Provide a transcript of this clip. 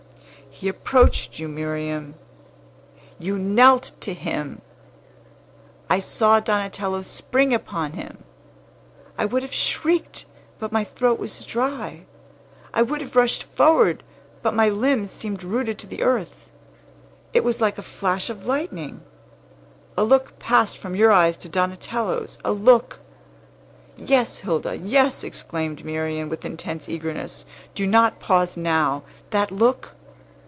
He approached you, Miriam. You knelt to him! I saw Donatello spring upon him! I would have shrieked, but my throat was dry. I would have rushed forward, but my limbs seemed rooted to the earth. It was like a flash of lightning. A look passed from your eyes to Donatello's a look." "Yes, Hilda, yes!" exclaimed Miriam, with intense eagerness. "Do not pause now! That look?"